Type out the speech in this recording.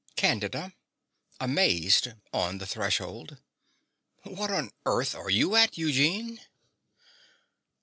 CANDIDA (amazed, on the threshold). What on earth are you at, Eugene?